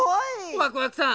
ワクワクさん